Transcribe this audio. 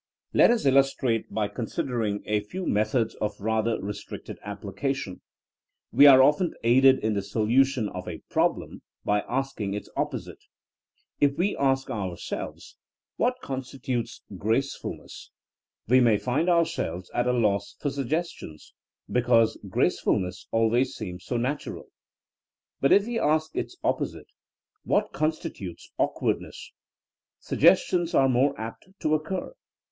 Let us illustrate by considering a few methods of rather restricted application. We are often aided in the solution of a problem by asking its opposite. If we ask ourselves '*What constitutes gracefulness f we may find ourselves at a loss for suggestions, because gracefulness always seems '*so natural.'' But if we ask its opposite, What constitutes awk THINEINa AS A SCIENCE 31 wardnessf," suggestions are more apt to oc cur.